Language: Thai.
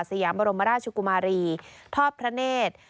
ยามบรมราชกุมารีทอดพระเนธ